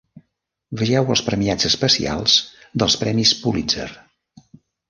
Vegeu els premiats especials dels Premis Pulitzer.